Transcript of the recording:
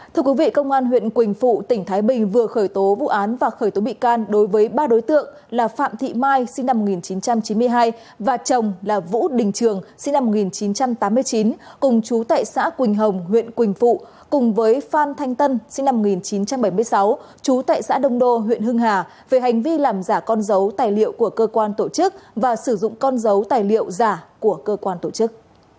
thưa quý vị công an huyện quỳnh phụ tỉnh thái bình vừa khởi tố vụ án và khởi tố bị can đối với ba đối tượng là phạm thị mai sinh năm một nghìn chín trăm chín mươi hai và chồng là vũ đình trường sinh năm một nghìn chín trăm tám mươi chín cùng chú tại xã quỳnh hồng huyện quỳnh phụ cùng với phan thanh tân sinh năm một nghìn chín trăm bảy mươi sáu chú tại xã đông đô huyện hưng hà về hành vi làm giả con dấu tài liệu của cơ quan tổ chức và sử dụng con dấu tài liệu giả của cơ quan tổ chức